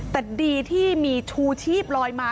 แต่ดีที่มีชูชีพลอยมา